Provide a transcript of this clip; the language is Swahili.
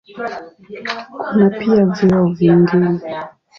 Kuna pia vyeo vingine.